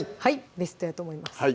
ベストやと思います